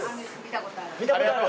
見たことある。